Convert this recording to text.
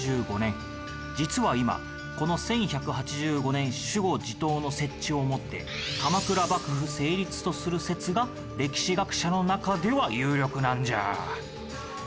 実は今この１１８５年守護・地頭の設置をもって鎌倉幕府成立とする説が歴史学者の中では有力なんじゃ。